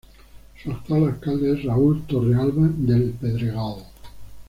Su actual alcalde es Raúl Torrealba del Pedregal.